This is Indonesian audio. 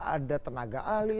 ada tenaga ahli